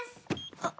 あっ！